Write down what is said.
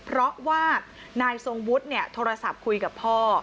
เพราะว่านายทรงวุฒิโทรศัพท์คุยกับพ่อ